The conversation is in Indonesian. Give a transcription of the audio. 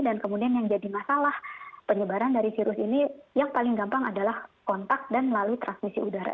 dan kemudian yang jadi masalah penyebaran dari virus ini yang paling gampang adalah kontak dan melalui transmisi udara